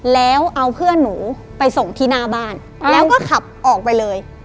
แล้วเอาเพื่อนหนูไปส่งที่หน้าบ้านแล้วก็ขับออกไปเลย